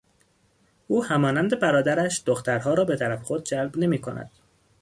او همانند برادرش دخترها را به طرف خود جلب نمیکند.